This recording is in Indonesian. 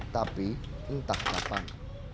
tapi entah kapan